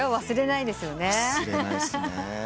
忘れないっすね。